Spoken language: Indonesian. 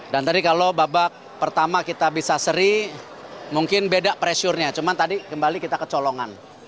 dan tadi kalau babak pertama kita bisa seri mungkin beda pressure nya cuman tadi kembali kita kecolongan